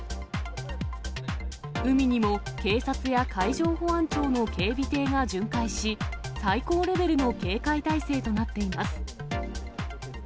海にも警察や海上保安庁の警備艇が巡回し、最高レベルの警戒態勢となっています。